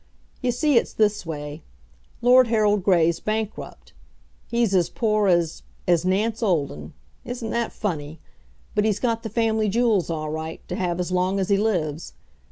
You see it's this way: Lord Harold Gray's bankrupt. He's poor as as Nance Olden. Isn't that funny? But he's got the family jewels all right, to have as long as he lives.